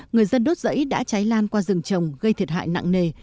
người dân đốt rẫy đã cháy lan qua rừng trồng gây thiệt hại nặng nề